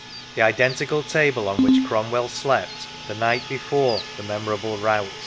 's), the identical table on which Cromwell slept on the night before the memorable rout.